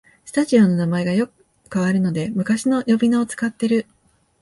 スタジアムの名前がよく変わるので昔の呼び名を使ってる